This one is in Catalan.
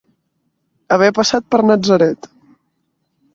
Haver passat per Natzaret.